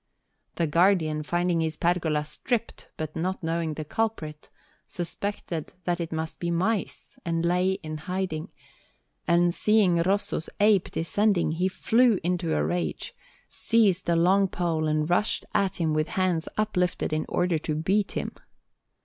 The Guardian, finding his pergola stripped, but not knowing the culprit, suspected that it must be mice, and lay in hiding; and seeing Rosso's ape descending, he flew into a rage, seized a long pole, and rushed at him with hands uplifted in order to beat him.